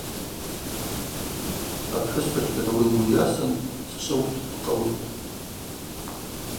Апхӏвыспачкӏвын ауи лгвы йасын дчӏвыутӏ-дкъыутӏ.